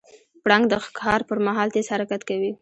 پړانګ د ښکار پر مهال تیز حرکت کوي.